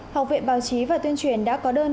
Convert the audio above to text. học viện báo chí và tuyên truyền đã có đơn